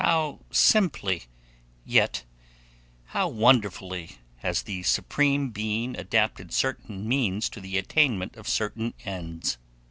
How simply, yet how wonderfully, has the Supreme Being adapted certain means to the attainment of certain ends!